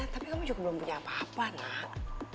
tapi kamu juga belum punya apa apa nak